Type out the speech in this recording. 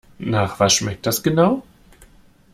Nach was schmeckt das genau?